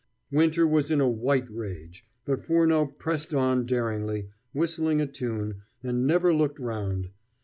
Winter was in a white rage, but Furneaux pressed on daringly, whistling a tune, and never looking round.